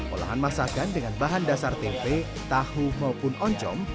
olahan masakan dengan bahan dasar tempe tahu maupun oncom